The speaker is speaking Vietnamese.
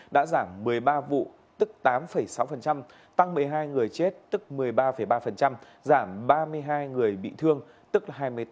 đã giảm một mươi ba vụ tức tám sáu tăng một mươi hai người chết tức một mươi ba ba giảm ba mươi hai người bị thương tức là hai mươi tám